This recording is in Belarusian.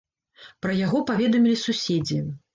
Пра яго паведамілі суседзі.